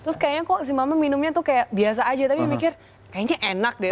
terus kayaknya kok si mama minumnya tuh kayak biasa aja tapi mikir kayaknya enak deh